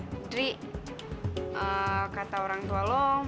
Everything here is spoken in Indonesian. kata orang tua lo